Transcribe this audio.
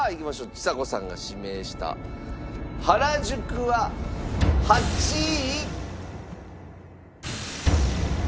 ちさ子さんが指名した原宿は８位。